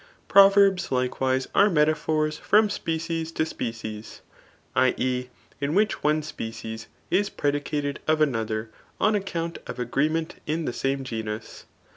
Proverbs likewise are metaphors from species to spe« cies [i. e. in which one species is predicated of another on account of agreement in the same genus.